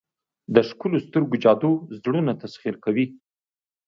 د ښکلو سترګو جادو زړونه تسخیر کوي.